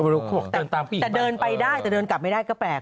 ไม่รู้แต่เดินไปได้แต่เดินกลับไม่ได้ก็แปลก